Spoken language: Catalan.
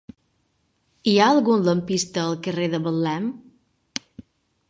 Hi ha algun lampista al carrer de Betlem?